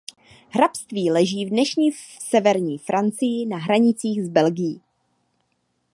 Hrabství leží v dnešní severní Francii na hranicích s Belgií.